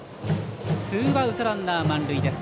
ツーアウト、ランナー満塁です。